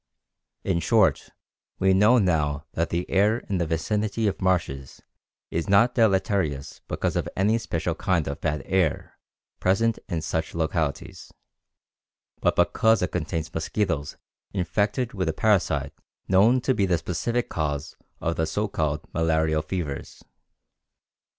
In short, we now know that the air in the vicinity of marshes is not deleterious because of any special kind of bad air present in such localities, but because it contains mosquitoes infected with a parasite known to be the specific cause of the so called malarial fevers.